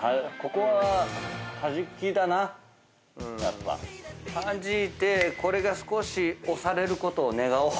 はじいてこれが少し押されることを願おう。